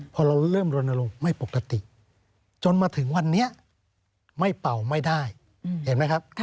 พอเราเริ่มรณรงค์ไม่ปกติจนมาถึงวันนี้ไม่เป่าไม่ได้เห็นไหมครับ